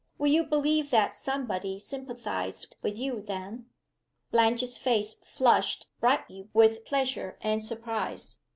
Would you believe that somebody sympathized with you then?" Blanche's face flushed brightly with pleasure and surprise.